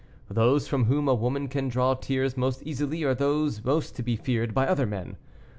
Those from whom a woman can draw tears most easily are those most to be feared by other men.